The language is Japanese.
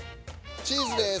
チーズです。